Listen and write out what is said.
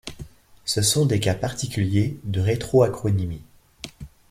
Ce sont des cas particuliers de rétroacronymie.